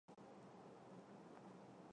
洪武二十六年举人。